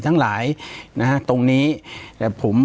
ปากกับภาคภูมิ